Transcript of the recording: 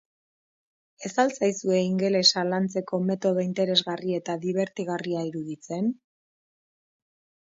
Ez al zaizue ingelesa lantzeko metodo interesgarri eta dibertigarria iruditzen?